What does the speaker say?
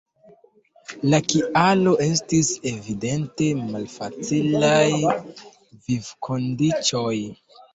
La kialo estis evidente malfacilaj vivkondiĉoj.